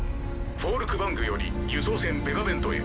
フォールクヴァングより輸送船ベガベントへ。